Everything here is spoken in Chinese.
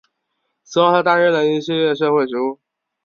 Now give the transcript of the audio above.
此后他担任了一系列社会职务。